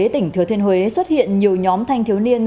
tỉnh thừa thiên huế xuất hiện nhiều nhóm thanh thiếu niên